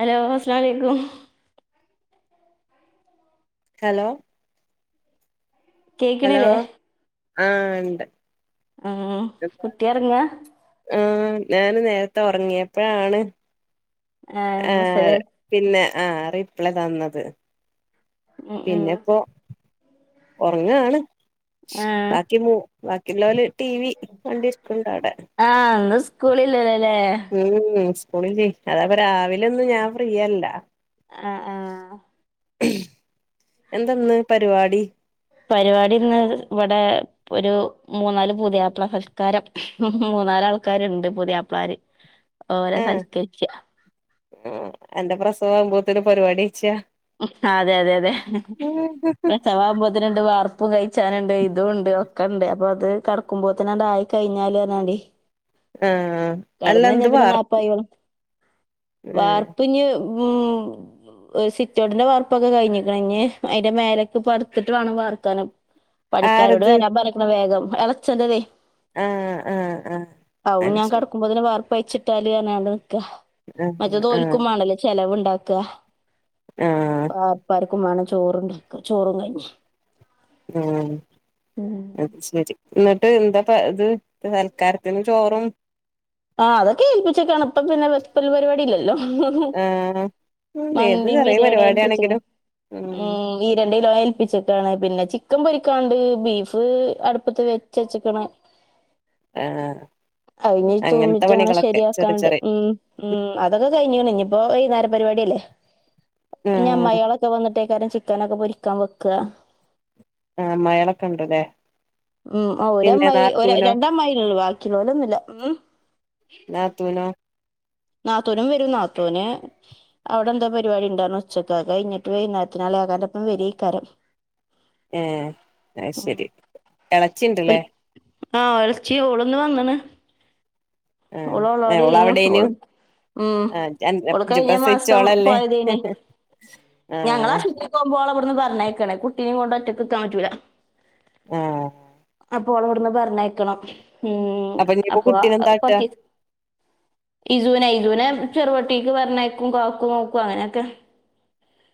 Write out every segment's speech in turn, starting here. Hello അസ്‌ലാം അലേക്കും. Hello. Hello കേക്കണില്ലേ ആ ഇണ്ട്. ഓ കുട്ടി ഒറങ്ങാ? ആഹ് ഞാന് നേരത്തെ ഉറങ്ങിയപ്പഴാണ് ആഹ് പിന്നെ ആ റിപ്ലൈ തന്നത്. ഉം ഉം പിന്നെപ്പോ ഒറങ്ങാണ് ആഹ് ബാക്കി മൂ ബാക്കിയുള്ളോല് ടി വി വണ്ടി ഇഷ്ടുണ്ടോ ആടെ ആ അന്ന് സ്കൂളില്ലല്ലോ അല്ലേ ഉം സ്കൂളില് അതാകുമ്പോ രാവിലെ ഒന്നും ഞാൻ ഫ്രീയല്ലാ. ആഹ്. ആഹ് എന്താ ഇന്ന് പരിപാടി? പരിപാടി ഇന്ന് ഇവിടെ. ഒരു മൂന്നാല് പുതിയാപ്ള സൽക്കാരം മൂന്നാല് ആൾക്കാരുണ്ട് പുതിയാപ്ളാര്. [inaudible] ഓരെ സൽക്കരിക്കാ എന്റെ പ്രസവ ആവുമ്പോത്തേന് പരിപാടി വച്ച്യാ. അതെ അതെ അതെ പ്രസവാവുമ്പോ ഇതിനണ്ട് വാർപ്പ് കഴിച്ചാനുണ്ട്. ഇതുണ്ട്. ഒക്കെണ്ട് അപ്പൊ അത് കടക്കുമ്പോത്തിനണ്ടായി കയ്ഞ്ഞാലർഞ്ഞാണ്ടെയ് ആഹ് അല്ല കെടന്നഴിഞ്ഞാ എന്ത് പിന്നെ വാർ നാപ്പയോളും ആഹ് വാർപ്പ് ന്ന് ഉം [unintelligible] റ്റോട്ടിന്റെ വാർപ്പൊക്കെ കഴിഞ്ഞേക്ക്ണ്. ‌ നി അയ്ന്റെ മേലക്കെ പട്ത്തിട്ട് വേണം വാർക്കാന് പണിക്കാരോട് ആരത് വരാൻ പറഞ്ഞ്ക്ക്ണ്‌ വേഗം. എളച്ചൻ്റതേയ് ആഹ് ആഹ് ആഹ് അവും അത് ഞാൻ ശരി കെടക്കുമ്പോത്ത്ന് വാർപ്പയിച്ചിട്ടാല്ർഞ്ഞാണ്ട് നിക്കാ ആഹ് ആഹ് മറ്റേതോൽക്കുമ്മാണല്ലേ ചെലവുണ്ടാക്ക്ക ആഹ് വാർപ്പാർക്കും മാണം ചോറും ചോറും കഞ്ഞിം ഏ അത്ചരി ന്നിട്ട് എന്താ പ്പ ത്.. സൽക്കാരത്തിന് ചോറും ആഹ്., അതൊക്കെ ഏൽപ്പിച്ചക്കാണ്. പ്പ പിന്നെ വെപ്പല് പരിപാടില്ലല്ലോ ഹ്‌ഹ്ഹും. ആഹ് ഉം ഏത് മന്തിം ചെറിയ ബിരിയാണിം ഏൽപ്പിച്ച്ക്ക്ണ്. പരിപാടിയാണെങ്കിലും ഉം... ഈരണ്ട് കിലോ ഏൽപ്പിച്ചക്കാണ്. പിന്നെ ചിക്കൻ പൊരിക്കാണ്ട്. ബീഫ് അടുപ്പത്ത് വെച്ചച്ച്ക്ക്ണ് ആഹ് അ തൂമിറ്റ് അങ്ങനെ ശരിയാക്കാണ്ട്. ഉം ഉം അതൊക്കെ കഴിഞ്ഞിക്ക്ണ്‌. നിപ്പോ വൈന്നേരപരിപാടിയല്ലേ ആഹ് ന്യമ്മായിയാളൊക്കെ വന്നിട്ടേക്കരം ചിക്കനൊക്കെ പൊരിക്കാൻ വെക്ക അമ്മായിളൊക്കെ ഉണ്ട്ല്ലേ ഉം അ പിന്നെ ഒരമ്മായി ഒര് നാത്തൂനോ രണ്ടമ്മായി അല്ലേള്ളൂ വാ കിളോലൊന്നുല്ല ഉം നാത്തൂനോ? നാത്തൂനും വരും നാത്തൂന്.. അവിടെ എന്തോ പരിപാടിണ്ടർഞ്ഞ് ഉച്ചക്ക്. അത് കഴിഞ്ഞിട്ട് വൈന്നേരത്തിനള്യാക്കാൻ്റൊപ്പം വര്വേക്കാരം ഏ അഅ്ശരി എളച്ചിണ്ട്ലേ ആ എൾച്ചി ഓള്ന്ന് വന്ന്ണ് ഓള് ആഹ് ഓള് ഓളോടേനു... അവിടേനു ഓള് ഉം.. ആഹ് അന്റെ ഓള് ഇജ്ജ് കയ്ഞ്ഞ മാസം പ്രസവിച്ചോളല്ലേ പോയതേനി. ഞങ്ങള ആഹ് [inaudible] പോകുമ്പോളെവട്ന്ന് പറഞ്ഞേക്കണെ. കുട്ടിനിം കൊണ്ട് ഒറ്റക്ക്ക്കാൻ പറ്റൂല ഏ.... അപ്പോളവട്ന്ന് പറഞ്ഞേക്കണം. ഉം ഇനിയിപ്പോ അപ്പൊ കുട്ടീനെന്താട്ടാ പത്തി ഇസൂനെ ഇസൂനെ ചെറുവട്ടീക്ക് പറഞ്ഞയക്കും. കാക്കു നോക്കും അങ്ങനൊക്കെ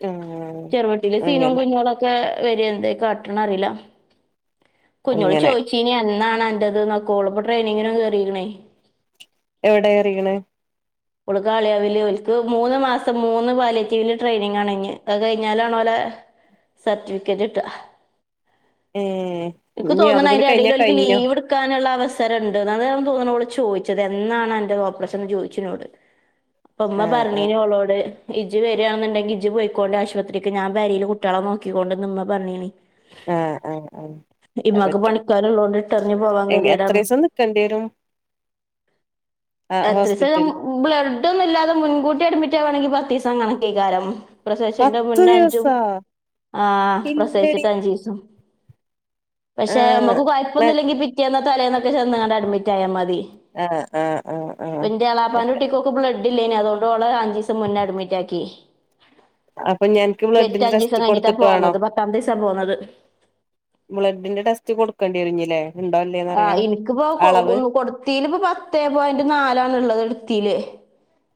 തന്നേ... ചെറുവട്ടീലെ സിനും കുഞോളൊക്കെ വര് എന്തേ കാട്ടണേ അറീല കുഞ്ഞോള് അങ്ങനെ ചോയ്ച്ചീനി എന്നാണ് അന്റത് നൊക്കെ. ഓള്പ്പൊ ട്രെയിനിങ്ങിനൊ കേറിക്ക്ണേ എവിടെ കേറീക്ക്ണ ഓള് കാളികാവില്. ഓൽക്ക് മൂന്ന് മാസം മൂന്ന് പാലിയേറ്റീവില് ട്രെയിനിങ്ങാണ് ന്നി അഅ് കഴിഞ്ഞാലാണോലെ സർട്ടിഫിക്കറ്റ്ട്ട ഏ ഇൻക്ക് ഇനി തോന്ന്ണ് അതും കൂടി അയ്ന്റെ കഴിഞ്ഞാ എടേല് ഓൽക്ക് കഴിഞ്ഞോ ലീവ് ട് ക്കാന്ള്ള അവസരണ്ട്. അതാണ് തോന്നണോള് ചോയ്ച്ചത്. എന്നാണൻ്റെ ഓപ്പറേഷൻ ന്ന് ചോയ്ച്ച്ന്നോട് [inaudible] പ്പമ്മ ആഹ് ആഹ് പറഞ്ഞീനി ഓളോട് ഇജ് വരാന്ന്ണ്ടെങ്കി ഇജ് പൊയിക്കോണ്ടി ആശുപത്രിക്ക്, ഞാൻ പെരേല് കുട്യളെ നോക്കിക്കൊണ്ട് ന്ന്മ്മ പറഞ്ഞീനി ഏ... ഏ... ഇമ്മക്ക് എഅഅ്പറ്റും പണിക്കാരുള്ളോണ്ട് ഇട്ടെറിഞ്ഞ് പോവാൻ എങ് ഗതികേടാണ് എത്രീസം നിക്കേണ്ട്യേരും എത്രീസം ഞം ഹോസ്പിറ്റലിൽ ബ്ലഡ്ഡൊന്നുല്ലാതെ മുൻകൂട്ടി അഡ്മിറ്റാവാണെങ്കിൽ പത്തിസം കണക്കേകാരം പ്രസവിച്ചന്റെ പത്ത് മുന്നേ അഞ്ചും, ദിവസാ ആ ഇല്ലടി പ്രസിച്ചിട്ട് അഞ്ചീസും പക്ഷെ.. ആഹ് അമ്മക്ക് കൊയപ്പൊന്നും ല്ലെങ്കി പിറ്റേന്നോ തലേന്നൊക്കെ ചെന്ന് കാണ്ട് അഡ്മിറ്റായ മതി ആഹ് ആഹ് ഊ അ പ്പൻ്റെ എളാപ്പാൻ്റെ കുട്ടിക്കൊക്കെ ബ്ലഡ് ഇല്ലേനി അതോണ്ട് ഓളെ അഞ്ചീസം മുന്നെ അഡ്മിറ്റാക്കി അപ്പൊ ഞൻക്ക് പെറ്റ ബ്ലഡിന്റെ ടെസ്റ്റ് ഞ്ചീസം കഴിഞ്ഞിട്ടാ കൊടുത്തിട്ട് വേണോ പോന്നത്. പത്താമത്തെസാ പോന്നത് ബ്ലഡിന്റെ ടെസ്റ്റ് കൊടുക്കണ്ടി വരു ഞ്ഞില്ലേ.. ആ എനിക്കിപ്പോ ആ കൊ [inaudible] കൊടു ത്തിൽ ഇപ്പ പത്ത്പോയിന്റ് നാലാണ്ള്ളത് എടുത്തി ല്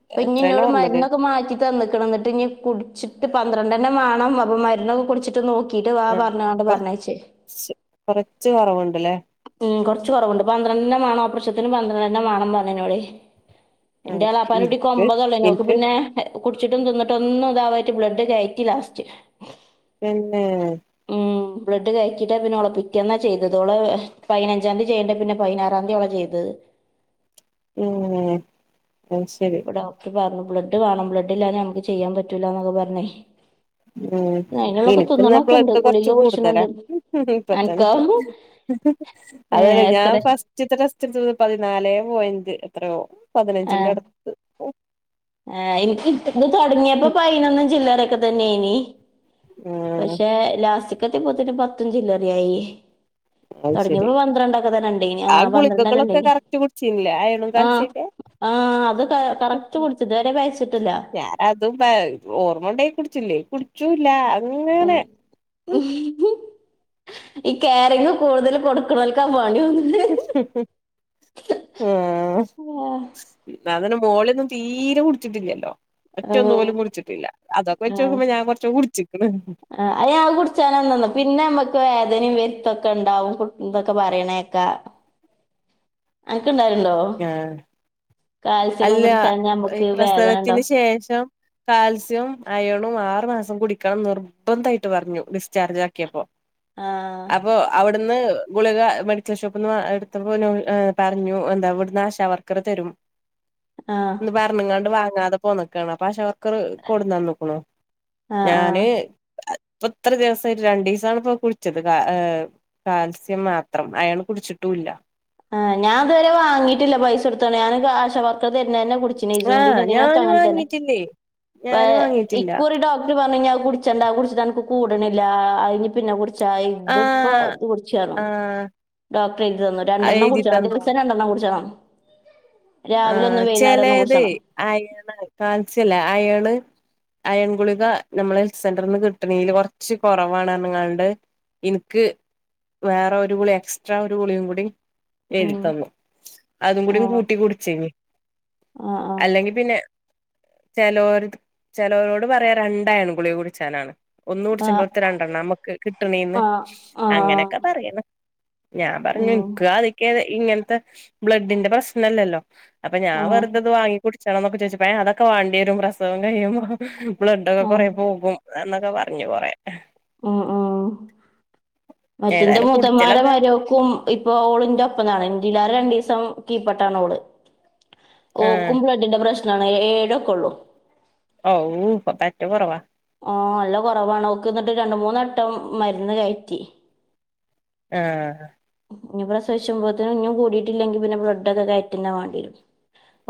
ഇപ്പൊ എത്രയാ ഇഞ്ഞിന്നോട് നോർമല് മരുന്നൊക്കെ മാറ്റി തന്നക്കണ് ഇ ന്നട്ട് ഇഞ്ഞി കുടിച്ചിട്ട് പന്ത്രണ്ടെണ്ണം മാണം അപ്പൊ മരുന്നൊക്കെ കുടിച്ചിട്ട് നോക്കി ക്കീട്ട് വാ പറഞ്ഞാണ്ട് പറഞ്ഞയചേ കുറച്ച് കുറവുണ്ട്ലെ ഉം കുറച്ച് കുറവുണ്ട്. പന്ത്രെണ്ണം വേണം ഓപ്രശത്തിന് പന്ത്രണ്ടെണ്ണം വേണം പറഞ്ഞു ന്നോടായ് ആഹ് എന്റെളാപ്പാന്റെ കുട്ടിക്ക്‌ ഇനിക്ക് കൊമ്പതൊള്ളൂയ്നു ഓക്ക്‌ എനിക്ക് പിന്നെ എകുടിച്ചിട്ടും തിന്നിട്ടും ഒന്നു താാവായിട്ട് ബ്ലഡ് കയറ്റി ലാസ്റ്റ് പിന്നേ.... ഊമ്.. ബ്ലഡ് കയറ്റിട്ടപിന്നെ ഓളേ പിറ്റേന്നാ ചെയ്തത് ഓളെ പയിനഞ്ചാംന്തി ചെയ്യേണ്ട പിന്നെ പയിനാറാന്തി ഓളെ ചെയതത് ഏ...... അത് ശരി ഇപ്പൊ ഡോക്ടർ പറഞ്ഞു ബ്ലഡ് വേണം ബ്ലഡ് ഇല്ലാഞമ്മക്ക് ചെയ്യാൻ പറ്റൂല എന്നൊക്കെ പറഞ്ഞേ ഉം.. അതിനുള്ളൊക്കെ എനിക്ക് ന്നാ തിന്നണൊക്കെ ഉണ്ട് ബ്ലഡ് ഗുളിക കൊറച്ച് കൂടുതലാ കുടിച്ചണണ്ട് ഹ് അനക്കോ ഇപ്പത്തന്നെഹ് ഹ് [inaudible] അലതല്ല ഏഹ് ഞാൻ എത്ര ഫസ്റ്റ് [inaudible] പതിനാലേ പോയിന്റ് എത്രയോ പതിനഞ്ചിന്റെ അടു ആ എനിക്ക് ഇട് തക്കുണ് തുടങ്ങിയപ്പോ പതിനനൊന്നും ചി ല്ലറൊക്കെ തന്നെയനി ഉം പക്ഷെ ലാസ്റ്റ്ക്കത്തിപോത്തിന് പത്തുംഞ്ചില്ലറിയായി അത് ശരി തുടങ്ങിയപ്പോ പന്ത്രണ്ടൊക്കെതന്നെണ്ടായനി ആ ഗുളികകളൊക്കെ പന്ത്രണ്ടന്നണ്ടായിനി..... കറക്റ്റ് കുടിച്ചില്ലേ അയണും ആഹ് കാൽസ്യൊക്കെ ആ.. അത് ക കറക്റ്റ് കുടിച്ച്. ഇത് വരെ വയച്ചിട്ടില്ല ഞാന അതും [inaudible] ഓർമ്മ ഉണ്ടങ്കി കുടിച്ചുംല്ലെങ്കി കുടിച്ചൂല്ല ഉം അങ്ങനെ ഹ് ഹും. ഈ കയറിങ് കൂടുതൽ കൊടുക്കണോൽക്ക പണി തോന്നുന്നെ ഹ് ഹ് ഹും.. ആഹ ആഹ [inaudible] ന്നാ തന്നെ മോളിഒന്നും തീരെ കുടിച്ചിട്ടില്ലല്ലോ ഒറ്റ ആഹ് ഒന്നു പോലും കുടിച്ചിട്ടില്ല അതൊക്കെ വെച്ച് ആഹ് നോക്കുമ്പോ ഞാൻ കുറച്ച് കുടിച്ചിക്കണ് ആ അയാ കുടിച്ചാല തന്ന പിന്നെ അ അത് കുടിച്ചാലെന്തന്നോ നമ്മക്ക് വേദനയും വെരുത്തൊക്കെ ണ്ടാവുംഹ് ഇതൊക്കെ പറയണേക്കാ [unintelligible] അനക്ക്ണ്ടാകല്ണ്ടോ? ആഹ് അല്ല ഈ വേദന പ്രസവത്തിന് ഉണ്ടാവും ശേഷം കാൽസ്യവും അയേണും ആറു മാസം കുടിക്കണം നിർബന്ധമായിട്ട് പറഞ്ഞു ഡിസ്ചാർജ് ആക്കിയപ്പോ ആ അപ്പൊ അവിട് ന്ന് ഗുളിക മെഡിക്കൽ ഷോപ്പ്ന്ന് എടുത്തപ്പൊ നൂ പറഞ്ഞു എന്താ ഇവിടുന്ന് ആശാവർക്കർ തരും ആ ഇന്ന് പറഞ്ഞങ്ങാണ്ട് വാങ്ങാതെ പോന്നക്കാണ് അപ്പൊ ആശാ വർക്കർ കൊടുന്ന ന്നുക്കുണു.. ആ ആ ഞാന്.. പ്പൊ ഇത്ര ദിവസായിട്ട് രണ്ടീസാണ് ഇപ്പ കുളിച്ചത് കാ ഏർ കാൽസ്യം മാത്രം അയേണ് കുടിച്ചിട്ടൂല്ല.. ആ ഞാൻതുവരെ വാങ്ങയിട്ടില്ല പൈസ കൊടുത്ത്കാണ്ട് ഞാൻ ആശാവർ [inaudible] തേര്ണതെന്നെ കുടിച്ചി ആഹ് നിഅങ്ങനെ ഞാന് തന്നെ. വാങ്ങിട്ടില്ലേ ഞാന് വയ് വാങ്ങിട്ടില്ല ഇക്കുറി ഡോ ഓല് പറഞ്ഞു ഇഞ്ഞി കുടിച്ചണ്ട അത് കുടിച്ചട്ട്നക്ക് കൂടണില്ല അത് പിന്നെകുട് ചായ് ഇത്പ്പോ ആഹ് ഇത് കുടിചാണോ ആഹ് ഡോക്ടറെഴുതിതന്നു രണ്ടെണ്ണം കുടി എഴുതി ചണം തന്ന് ദിവസം രൻ ണ്ടെണ്ണം കുടിച്ചണോ ആ.. ഒന്ന് ചെലേത് കുടിച്ചണം അയേണാണ് കാൽസ്യം ഇല്ലെ അയണ് അയൺ ഗുളിക നമ്മളെ ഹെൽ സെന്ററിൽന്ന് കിട്ട ണേല് കുറച്ച് കുറവാണ്റഞ്ങ്ങാണ്ട് ഇൻക്ക് വേറെ ഒരു ഗുളി എക്സ്ട്രാ ഒരു ഗുളിയും കൂടി ഉം എഴുതിത്തന്നു. അതും ആ കൂടികൂട്ടി കുടിച്ചേനി.. അല്ല ആഹ് അല്ലെങ്കി പിന്നെ ചിലോര്ത് ചേലോരോട് പറയരണ്ടയേൺ ഗുളിക കുടിച്ചാനാണ് ഒന്ന് കുടിചണ്ട ആഹ് ടത്ത് രണ്ടെണ്ണമ്മുക്ക് കിട്ടണീന്ന് ആഹ് ആഹ് അങ്ങനെയൊക്കെ പറയുന്ന് ഞാൻ പറഞ്ഞു ഉം ന്ക്ക് അത്യൊക്കെ ഇങ്ങനത്തെ ബ്ലഡിന്റെ പ്രശ്നല്ലല്ലോ അപ്പൊ ഞാ ആഹ് വെറുതത് വാങ്ങി കുടിച്ചണംണന്നൊ ചോദിച്ചപ്പ അതൊക്കെ വണ്ടിയരും പ്രസവം കിയുമ്പോ. ബ്ലഡൊക്കെ ആഹ് കൊറെ പോകും എന്നൊക്കെ പറഞ്ഞു കൊറേ ഉം ഉം മറ്റിന്റെ ഏതായാലും മുതന്മാര കുടിച്ചലൊക്കെ ഭാര്യോക്കും ഇപ്പൊ ഓളിന്റെ ഒപ്പാത്ണ് ഇല്ലും രണ്ടു ദിവസം കീപ്പർട്ടാണ് ഓള് ആഹ് ഓക്കുമ്പോള് ട്ടിന്റെ പ്രശ്നാണ് ഏഴൊക്കെ ഒള്ളു ഔ പ്പ പറ്റ് കുറവാ ഓ നല്ല കുറവാണക്ക് എന്നിട്ട് രണ്ട മൂന്നെട്ടം മരുന്ന് കയറ്റി ആഹ് ഇനി പ്രസവിച്ചുമ്പോത്ത്ന് ഇനീം കൂടിയിട്ടില്ലങ്കിൽ പിന്നെ ബ്ലഡൊക്കെ കയറ്റുന്ന വേണ്ടീരും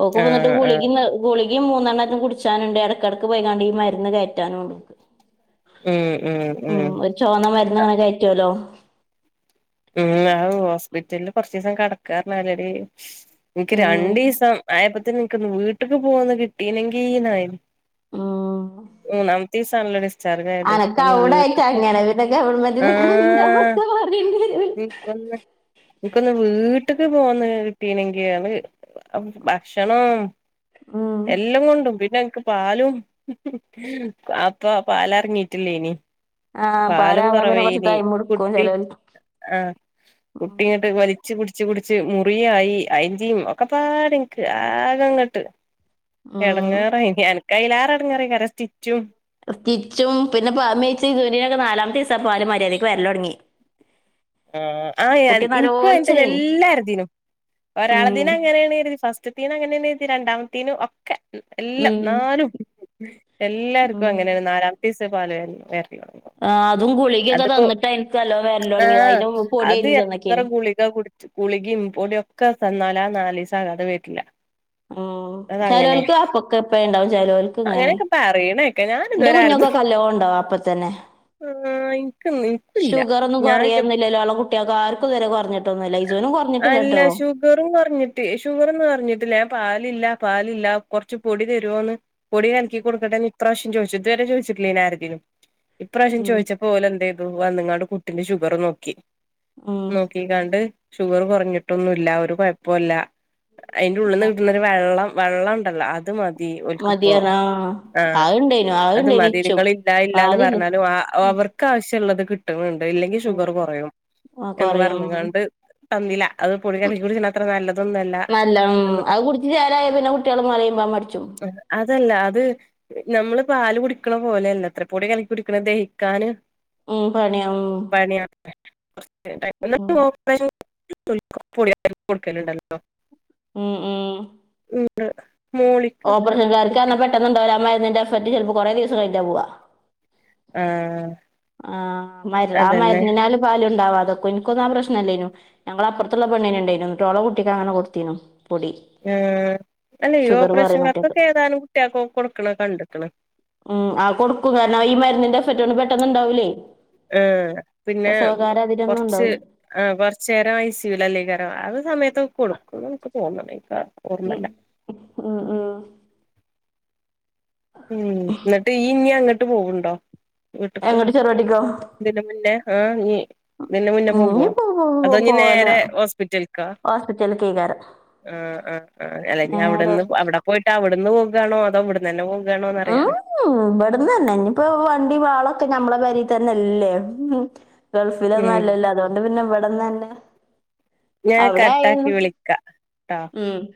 ഓക്ക് പോന്നിട്ട് ആഹ് ആഹ് കുളിക്കുന്ന് ഗുളികീം മൂന്നെണ്ണും കുടിച്ചാനുണ്ട് ഇടക്കിടക്ക് പോകാണ്ട് ഈ മരുന്ന് കയറ്റാനുംണ്ട് ഉം ഉം ഉം ചോന്ന മരുന്നങ്ങനെ കയറ്റുല്ലോ ഉം ആ ഹോസ്പിറ്റലില് കൊറച്ച ദിവസം കെടക്കാര്ന്നാല്ലാ എനിക്ക് ഉം രണ്ടിവസം ആയപ്പത്തന് നിനിക്കൊന്ന് വീട്ടക്ക് പോകന്ന് കിട്ടീനെങ്കി നായന് ഉം ഉംമൂന്നാമത്തീസണലോ ഡിസ് അനക്കവിട ആയിട്ട് അങ്ങനെ പിന്നെ ഗവൺമെന്റൽ [unintelligible] മാറി കൊ [unintelligible] നിനക്കൊന്ന് വീട്ടക്ക് പോന്നന്ന് കിട്ടീനെങ്കിൽ ഭക്ഷണം ഉം എല്ലാം കൊണ്ടും പിന്നെനക് പാലും അപ്പ പാല എറങ്ങിട്ടില്ലേ നി ആഹ് പാലും പാലാവാൻ പിന്നെ കൊറവേ കൊറച്ച് നീ. ടൈം എടുക്കും കുട്ടി ചെലോൽക്ക് ആഹ് കുട്ടിങ്ങ വലിച്ച് കുടിച്ച് കുടിച്ച് മുറിയായി. അയിൻ്റിം ഒക്കെപാടെൻക്ക് ആകെങ്ങട്ട്, ഉം എടങ്ങേറെയ്നി. എൻക്ക് അയിലാറെ എട്ങ്ങാറെയ്കാരം. സ്റ്റിച്ചും തിച്ചും പിന്നെ പ മേച്ചക്കെ നാലാമത്തെ വസിയ ആ പാല് മര്യാദയ്ക്ക് വരല് തൊടങ്ങി ആഹ് എന്ക്കും അന്നെ നലോളിച്ചലേനി എല്ലാരുദീനും ഒരാള ഉം ദിന അങ്ങനെയാണ് കരുതി ഫസ്റ്റ്- തീന് അങ്ങനെന്നെരുതീ ഇത് രണ്ടാമ തീനും ഒക്കേ എല്ലാം ഉം നാലും എല്ലാവർക്കും ഉം അങ്ങനെ ഒരു നാലാമത്തെസി പാല് വരല് വേറെ ആഹ് അതും ഗുളികൊക്കെ തന്നിട്ട് എനിക്കല്ലോ വെ- ആഹ് അത് എത്ര ഗുളിക കുടി ഗുളികേം പൊടിയൊക്കെ തന്നാല ആ നാല്സാതെ വരില്ല. ആഹ് ചെലോല് ക്ക് അപ്പൊക്കെ എപ്പ ഉണ്ടാവും ചെലോല്ക്ക് ഇങ്- അങ്ങന്യൊക്കെ പറിണേക്കാ. ഞാൻ ന്റെ ഇതുവരെ ആര്തും കുഞ്ഞൊക്കൊക്കെ കല്ലോണ്ടാ അപ്പൊത്തന്നെ. ആഹ്, ഇൻക്ക്ന്ന് ഷുഗറൊന്നും കൊറയൊന്നില്ലല്ലോ. ഞാളെ കുട്ട്യേൾക്കൊ ആര്ക്കും ഇതരെ കൊർഞ്ഞിട്ടൊന്നുല്ല. ഹിസൂനും അല്ല കൊർഞ്ഞിട്ടില്ലട്ടോ. ഷുഗറും കൊർഞ്ഞിട്ട് ഷുഗറൊന്നും കൊർഞ്ഞിട്ടില്ല. ഞാൻ പാലില്ല പാലില്ല കൊർച്ച് പൊടി തരോന്ന് പൊടി കലക്കി കൊടുക്കട്ടെന്ന് ഇ പ്രാവശം ചോയിച്ച് ഇതുവരെ ചോയ്ചിട്ടില്ലേര്ന്നു ആരതിനും ഇപ്രാശ്യം ഉം ചോയിച്ചപ്പൊ ഓല് എന്തെയ്തു, വന്ന്ങ്ങാണ്ട് കുട്ടിന്റെ ഷുഗറും നോക്കി. ആഹ്. കീകാണ്ട്, ഷുഗർ കൊർഞ്ഞിട്ടൊന്നുല്ല. ഒരു കൊഴപ്പോല്ല. അയിന്റെ ഉള്ള്ന്ന് ആ, കിട്ട്ണൊരു വെള്ളം, വെള്ളംണ്ടല്ലോ അത് മ തി ഓൽക്ക്പ്പോ മതിയാണ് ആ ആഹ്, അതുണ്ടേനു അത് അതുണ്ടേനു മതി. ഇച്ചും നിങ്ങള് ഇല്ല, ഇല്ലാന്ന് പാലില്ല പർഞ്ഞാലും ആഹ്, ഉം, ഓവർ ക്കാവശ്യള്ളത് കിട്ട്ണ് ണ്ട്. ഇല്ലെങ്കി ഷുഗർ ഉണ്ട്. കൊറയും. ആ, എന്ന് കുറയും പർഞ്ഞിങ്ങാണ്ട്, തന്നില്ല അത് പൊടി ഉം, കലക്കി കുടിക്ക്ണ ത്ര നല്ലതൊന്നുഅല്ല. നല്ല ഉം, അഅ് കുട്ച്ച് ചേലായാ പിന്നെ കുട്ട്യള് മൊലീമ്പാൻ മട്ച്ചും. അതല്ല അത്. നമ്മള് പാല് കുടിക്കണ പോലെയല്ലാത്രേ, പൊടി കൽക്കി കുടിക്ക്ണ ദഹിക്കാന് ഉം, പണിയ ഉം. [unintelligible] [unintelligible] ന്നട്ട് ഓപ്പറേഷൻ [unintelligible] പൊടി കൽക്കി കൊട്ക്കല്ണ്ടല്ലോ. ഉം, ഉം. ണ്ട്. മോളിക്കക്കെ [unintelligible] ന്നൊന്നുണ്ടാവൂല. ആ മര്ന്നിന്റെ എഫക്ട് ചെൽപ്പോ കൊറേ ദിവസം കയ്ഞ്ഞിട്ടാ പോവ. ആഹ്. ആഹ് മര് ആ അതന്നെ മര്ന്നിനാല് പാല് ഉണ്ടാവാതെക്കും ഇന്ക്കൊന്നും ആ പ്രശ്നല്ലേനു ഞങ്ങള അപ്പർത്ത്ള്ള പെണ്ണിനിണ്ടെയ്നു. ന്നട്ട് ഓളെ കുട്ടിക്കങ്ങനെ കൊട്ത്തിനു. ഏഹ്, അല്ലയീ ഓപ്പറേഷൻ കുറയുന്ന കുട്ടിയക്ക് കാർക്കൊക്കെ ഏതാനും കുട്ട്യേക്കൊക്കെ കൊടുക്ക്ണ കണ്ട്ക്ക്ണ്. ഉം, ആ കൊട്ക്കും കാരണം, ഈ മര്ന്നിന്റെ എഫറ്റോണ്ട് പെട്ടന്നിണ്ടാവൂലേ. ആഹ്, പിന്നേ അതിലൊന്നും കൊർച്ച് ഉണ്ടാവൂല ആ കൊർച്ചേരം ഐസിയു ലല്ലെയ്‌ക്കാരം. ആഹ് സമയത്തൊക്കെ കൊട്ക്കും. [unintelligible] എനക്ക് തോന്ന്ണെയ്ക്കാരം. ഉം, ഉം, ഉം, ഉം ഉം, ന്നട്ട് യ്യ് ഞ്ഞ്യങ്ങട്ട് പോവ്ണ്ടോ? വീട്ട്ക്കാ. എങ്ങട്ട് ചെറുവാടിക്കോ ഇതിൻ്റെ മുന്നേ ആഹ്, നീ ഇതിൻ്റെ മുന്നെ ഉം പോകോ. ഇഞ്ഞിപ്പോ അതോ ഞ്ഞി പോവല നേരെ ഹോസ്പിറ്റൽക്കാ. ഹോസ്പിറ്റലിക്കേക്കാരം ആഹ്, ആഹ്, ആഹ്, അല്ലെങ്കി നേരെ അവിടന്ന് അവിടെ ഹോസ്പിറ്റൽക്ക് പോയി, അവ്ട്ന്ന് പോകാണോ, അതോ ഇവ്ട്ന്നെന്നെ പോകാണോന്നറിയാനാ. ഉം, വട്ന്നെന്നെ. ഞ്ഞിപ്പോ വണ്ടിം ആളൊക്കെ ഞമ്മളെ പെരീ തെന്നെല്ലേ. ഉം ഗൾഫിലൊന്നും ഉം അല്ലല്ലോ അതൊണ്ട് പിന്നെ ഇവട്ന്നന്നേ ഞാൻ അവിടെ കട്ടാക്കി ആയാന്നു വിളിക്കാ ട്ടാ ഉം